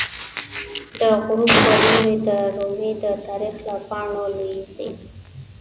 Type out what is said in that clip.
د غروب په لوری د رومی، د تاریخ له پاڼو لویزی